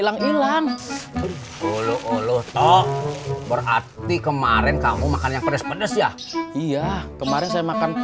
hilang hilang bergulung toh berarti kemarin kamu makan yang pedes pedes ya iya kemarin saya makan